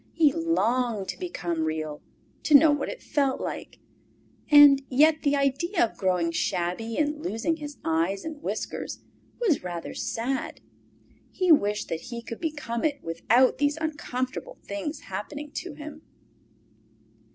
He longed to become Real, to know what it felt like; and yet the idea of growing shabby and losing his eyes and whiskers was rather sad. He wished that he could become it without these uncomfortable things happening to him.